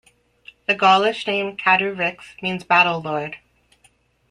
The Gaulish name "catu-rix" means "battle-lord".